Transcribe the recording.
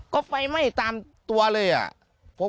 ก็ไฟไม่ตามตัวเลยครับ